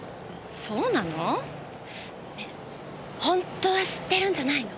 そうなの？ねぇホントは知ってるんじゃないの？